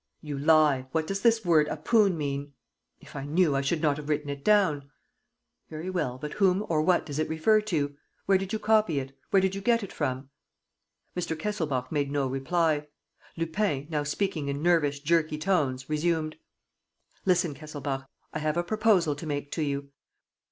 "You lie. What does this word 'APOON' mean?" "If I knew, I should not have written it down." "Very well; but whom or what does it refer to? Where did you copy it? Where did you get it from?" Mr. Kesselbach made no reply. Lupin, now speaking in nervous, jerky tones, resumed: "Listen, Kesselbach, I have a proposal to make to you.